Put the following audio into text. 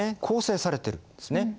構成されてるんですね。